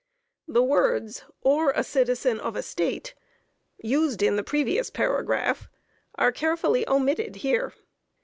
The words "or citizen of a State," used in the previous paragraph are carefully omitted here.